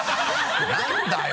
何だよ！